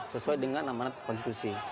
sesuai dengan amanat konstitusi